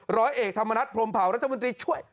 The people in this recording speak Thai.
ร้อยเอกธรรมนัฐพรมเผารัฐมนตรีช่วย